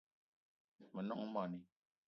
Me nong moni